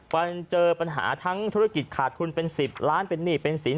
วันเจอปัญหาทั้งธุรกิจขาดทุนเป็น๑๐ล้านเป็นหนี้เป็นสิน